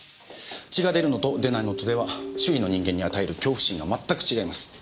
血が出るのと出ないのとでは周囲の人間に与える恐怖心がまったく違います。